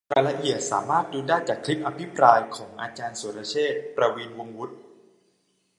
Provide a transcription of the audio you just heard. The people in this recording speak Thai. รายละเอียดสามารถดูได้จากคลิปอภิปรายของอาจารย์สุรเชษฐ์ ประวีณวงศ์วุฒิ